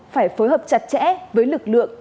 phải phối hợp chặt chẽ với lực lượng